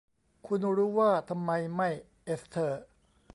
คุณรู้ว่าทำไมไม่ เอสเธอร์